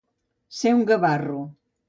Ser un gavarro.